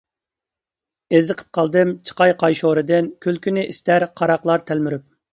ئېزىقىپ قالدىم چىقاي قاي شورىدىن، كۈلكىنى ئىستەر قاراقلار تەلمۈرۈپ.